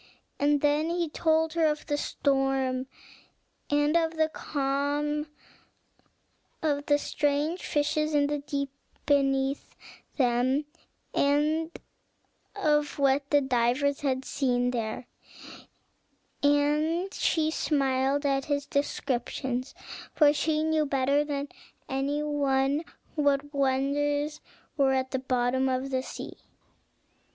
And then he told her of storm and of calm, of strange fishes in the deep beneath them, and of what the divers had seen there; and she smiled at his descriptions, for she knew better than any one what wonders were at the bottom of the sea.